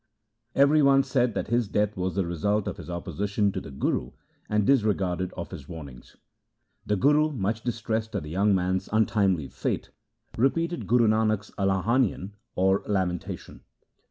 Every one said that his death was the result of his opposition to the Guru and disregard of his warnings. The Guru, much distressed at the young man's untimely fate, repeated Guru Nanak's Alahanian or Lamentation.